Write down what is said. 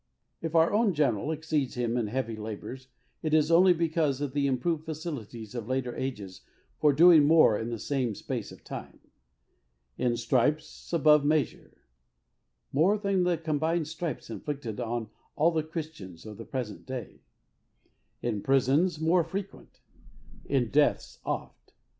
'^ If our own General exceeds him in heavy labours, it is only because of the improved facilities of later ages for doing more in the same space of time. " In stripes above measure — more than the combined stripes inflicted on all the Christians of the present day. ''In prisons more frequent, "In deaths oft.